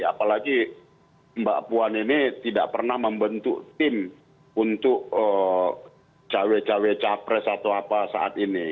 apalagi mbak puan ini tidak pernah membentuk tim untuk cawe cawe capres atau apa saat ini